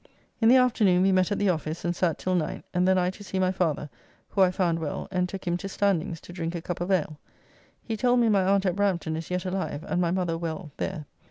In the afternoon we met at the office and sat till night, and then I to see my father who I found well, and took him to Standing's' to drink a cup of ale. He told me my aunt at Brampton is yet alive and my mother well there.